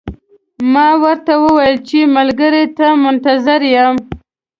ما ورته وویل چې ملګرو ته منتظر یم.